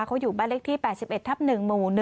เขาอยู่บ้านเลขที่๘๑ทับ๑หมู่๑